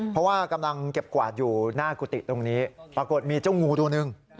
เพราะว่ากำลังเก็บกวาดอยู่หน้ากุฏิตรงนี้ปรากฏมีเจ้างูตัวหนึ่ง